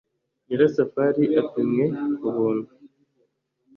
nyirasafari apimwe k’ubuntu ;